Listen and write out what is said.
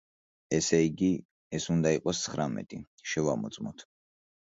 ესე იგი, ეს უნდა იყოს ცხრამეტი, შევამოწმოთ.